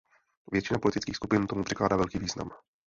Většina politických skupin tomu přikládá velký význam.